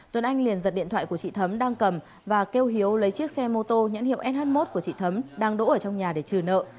tuấn anh liền giật điện thoại của chị thấm đang cầm và kêu hiếu lấy chiếc xe mô tô nhãn hiệu sh một của chị thấm đang đỗ ở trong nhà để trừ nợ